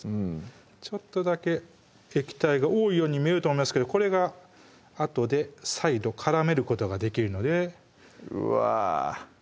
ちょっとだけ液体が多いように見えると思いますけどこれがあとで再度絡めることができるのでうわ